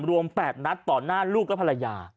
รวมแปดนัดต่อหน้าลูกและภรรยา